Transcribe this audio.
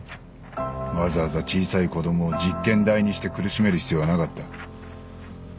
わざわざ小さい子供を実験台にして苦しめる必要はなかった。